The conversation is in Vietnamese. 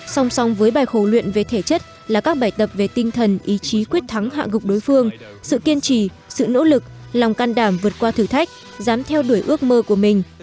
song song với bài khổ luyện về thể chất là các bài tập về tinh thần ý chí quyết thắng hạ gục đối phương sự kiên trì sự nỗ lực lòng can đảm vượt qua thử thách dám theo đuổi ước mơ của mình